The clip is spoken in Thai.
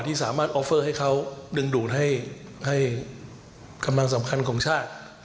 ที่สามารถออฟเฟอร์ให้เขาดึงดูดให้กำลังสำคัญของชาติ